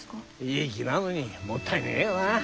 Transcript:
いい木なのにもったいねえよなあ。